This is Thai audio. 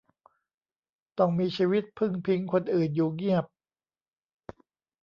ต้องมีชีวิตพึ่งพิงคนอื่นอยู่เงียบ